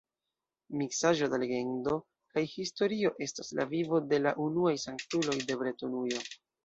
Miksaĵo da legendo kaj historio estas la vivo de la unuaj sanktuloj de Bretonujo.